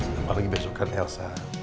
dan apalagi besok kan elsa